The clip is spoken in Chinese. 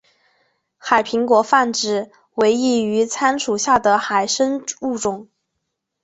海苹果泛指伪翼手参属下的海参物种。